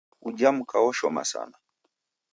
Ujha mka oshoma sana.